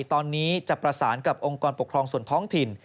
ตอนนี้จะประสานกับองค์กรปกครองส่วนท้องถิ่น